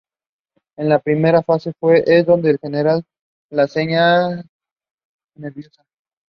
The Militia now came under the War Office rather than their county lords lieutenant.